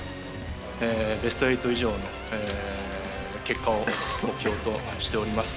ベスト８以上の結果を目標としております。